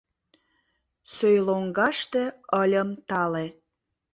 Сӧй лоҥгаште ыльым тале